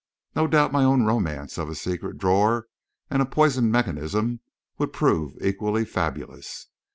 No doubt my own romance of a secret drawer and a poisoned mechanism would prove equally fabulous.